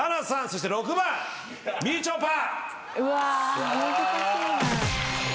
そして６番みちょぱ。